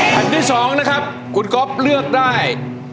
แผ่นที่๒นะครับคุณก๊อฟเลือกได้